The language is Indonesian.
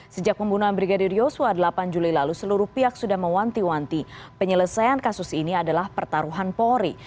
sejak pembunuhan brigadir yosua delapan juli lalu seluruh pihak sudah mewanti wanti penyelesaian kasus ini adalah pertaruhan polri